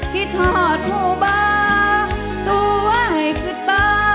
คิดหอดหูบอกตัวให้คือต่อ